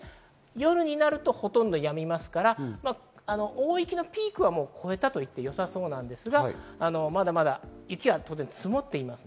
夜になるとほとんどやみますから、大雪のピークは越えたと言ってよさそうですが、まだまだ雪は当然、積もっています。